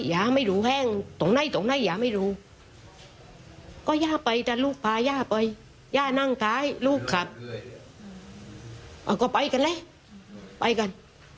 ย่านั่งท้ายลูกขับแล้วก็ไปกันเลยไปกัน